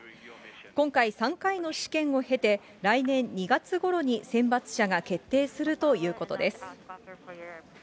今回、３回の試験を経て、来年２月ごろに選抜者が決定するということです。